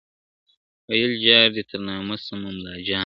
ویل جار دي تر نامه سم مُلاجانه `